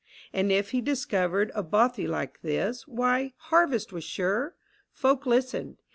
And if he discovered a bothy like this, Why, harvest was sure : folk listened.